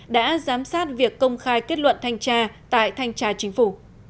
đã giám sát việc công khai kết luận thanh tra tại thanh tra chính phủ